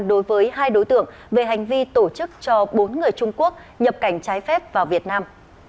đối với hai đối tượng về hành vi tổ chức cho bốn người trung quốc nhập cảnh trái phép vào việt nam